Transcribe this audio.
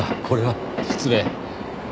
これは失礼。